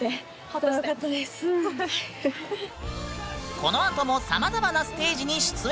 このあともさまざまなステージに出演！